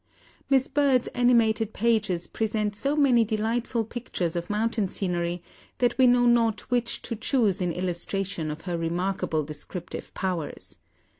Miss Bird's animated pages present so many delightful pictures of mountain scenery that we know not which to choose in illustration of her remarkable descriptive powers.